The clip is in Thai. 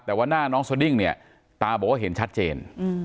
แต่ว่าหน้าน้องสดิ้งเนี่ยตาบอกว่าเห็นชัดเจน